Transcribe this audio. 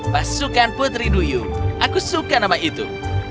pasukan putri duyung aku suka nama itu